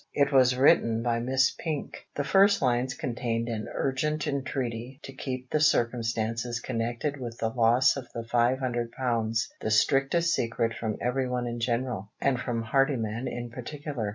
It was written by Miss Pink. The first lines contained an urgent entreaty to keep the circumstances connected with the loss of the five hundred pounds the strictest secret from everyone in general, and from Hardyman in particular.